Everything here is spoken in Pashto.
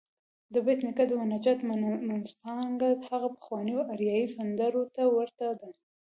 د بېټ نیکه د مناجات منځپانګه هغه پخوانيو اریايي سندرو ته ورته ده.